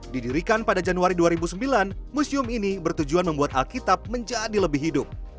didirikan pada januari dua ribu sembilan museum ini bertujuan membuat alkitab menjadi lebih hidup